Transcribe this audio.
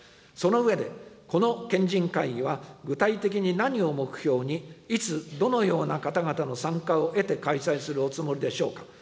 その上で、この賢人会議は、具体的に何を目標に、いつ、どのような方々の参加を得て開催するおつもりでしょうか。